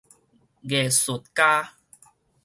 藝術家